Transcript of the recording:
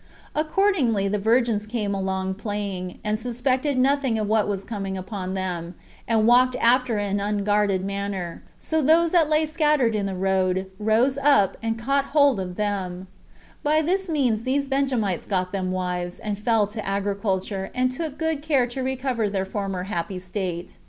Accordingly the virgins came along playing, and suspected nothing of what was coming upon them, and walked after an unguarded manner, so those that laid scattered in the road, rose up, and caught hold of them: by this means these Benjamites got them wives, and fell to agriculture, and took good care to recover their former happy state.